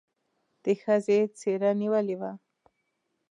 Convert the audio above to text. د ښځې څېره نېولې وه.